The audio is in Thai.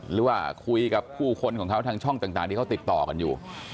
หรือว่าคุยกับผู้คนของเขาทางช่องต่างที่เขาติดต่อกันอยู่